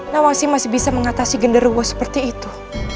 nawansi masih bisa mengatasi gender gua seperti itu